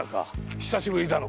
久しぶりだの？